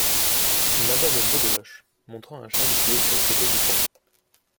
Madame Beaudeloche , montrant un châle qui est sur le fauteuil du fond.